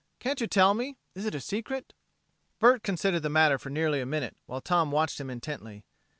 "Can't you tell me? Is it a secret?" Bert considered the matter for nearly a minute, while Tom watched him intently.